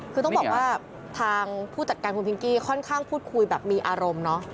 คือต้องบอกว่าทางผู้จัดการคุณพิงกี้ค่อนข้างพูดคุยแบบมีอารมณ์เนอะ